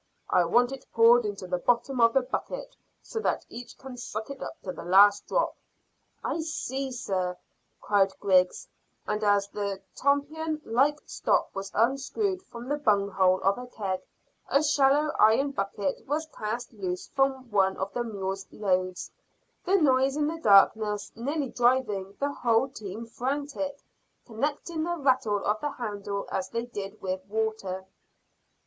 I want it poured into the bottom of the bucket so that each can suck it up to the last drop." "I see, sir," cried Griggs, and as the tompion like stop was unscrewed from the bung hole of a keg, a shallow iron bucket was cast loose from one of the mule's loads, the noise in the darkness nearly driving the whole team frantic, connecting the rattle of the handle as they did with water.